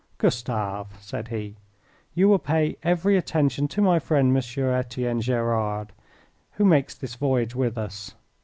"Gustav," said he, "you will pay every attention to my friend, Monsieur Etienne Gerard, who makes this voyage with us.